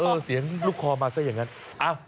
เสียงลูกคอมาซะอย่างนั้น